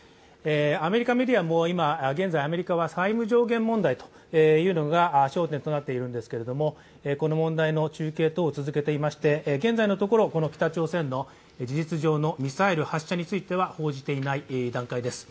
アメリカメディアも、現在はアメリカは債務上限問題が焦点となっているんですがこの問題の中継等を続けていまして現在のところ北朝鮮の事実上のミサイル発射については報じていない段階です。